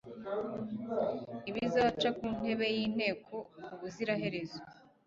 ibicaza ku ntebe y'inteko ubuzira herezo